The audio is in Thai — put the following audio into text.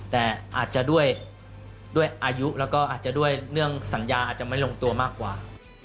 แต่อาจจะด้วยอายุแล้วก็อาจจะด้วยเรื่องสัญญาอาจจะไม่ลงตัวมากกว่า